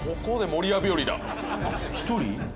１人？